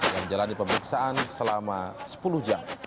dan jalan di pemeriksaan selama sepuluh jam